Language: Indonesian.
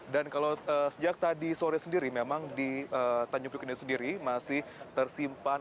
dan kalau sejak tadi sore sendiri memang di tanjung priok ini sendiri masih tersimpan